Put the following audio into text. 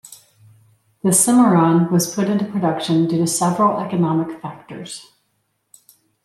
The Cimarron was put into production due to several economic factors.